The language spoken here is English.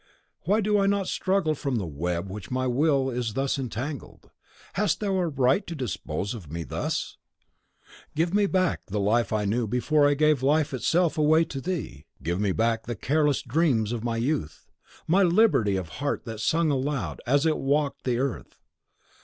"Why do I not struggle from the web in which my will is thus entangled? Hast thou a right to dispose of me thus? Give me back give me back the life I knew before I gave life itself away to thee. Give me back the careless dreams of my youth, my liberty of heart that sung aloud as it walked the earth.